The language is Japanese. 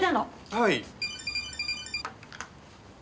はい。